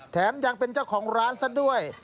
แถมยังเป็นเจ้าของร้านซะด้วย